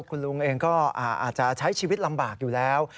คุณลุงเองก็อาจจะใช้ชีวิตลำบากอยู่แล้ว